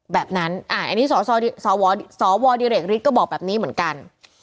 แบบนั้นอันนี้สวดิเรกฤทธิ์ก็บอกแบบนี้เหมือนกัน